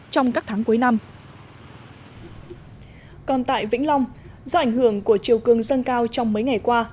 trong các tháng cuối năm còn tại vĩnh long do ảnh hưởng của chiều cường dâng cao trong mấy ngày qua